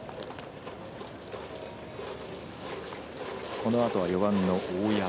このあとは４番の大山。